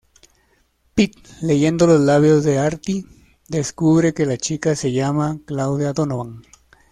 Pete, leyendo los labios de Artie, descubre que la chica se llama "Claudia Donovan".